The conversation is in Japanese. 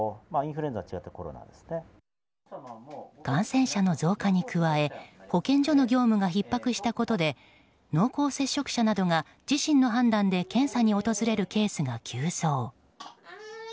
感染者の増加に加え保健所の業務がひっ迫したことで濃厚接触者などが自身の判断で検査に訪れるケースが急増。